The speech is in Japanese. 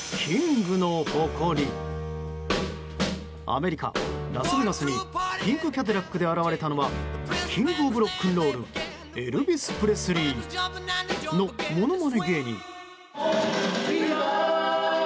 アメリカ・ラスベガスにピンクキャデラックで現れたのはキング・オブ・ロックンロールエルビス・プレスリー！のものまね芸人。